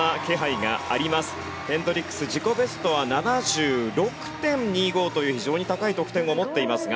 ヘンドリックス自己ベストは７６．２５という非常に高い得点を持っていますが。